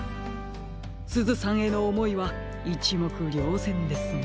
すずさんへのおもいはいちもくりょうぜんですね。